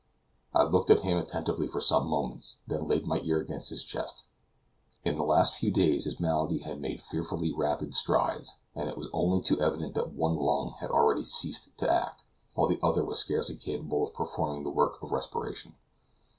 I looked at him attentively for some moments, then laid my ear against his chest. In the last few days his malady had made fearfully rapid strides, and it was only too evident that one lung had already ceased to act, while the other was scarcely capable of performing the work of respiration.